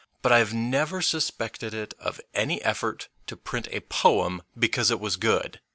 But I have never suspected it of any effort to print a poem because it was good.